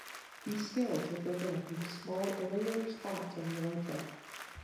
These scales are broken up into small irregular spots on the elytra.